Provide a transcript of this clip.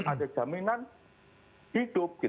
ada jaminan hidup